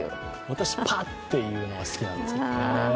私、パッというのが好きなんです